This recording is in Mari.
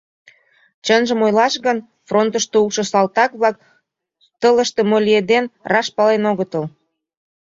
Чынжым ойлаш гын, фронтышто улшо салтак-влак, тылыште мо лиеден, раш пален огытыл.